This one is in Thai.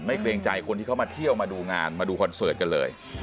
เกรงใจคนที่เขามาเที่ยวมาดูงานมาดูคอนเสิร์ตกันเลย